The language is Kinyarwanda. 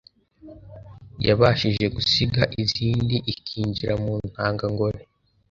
yabashije gusiga izindi ikinjira mu ntanga ngore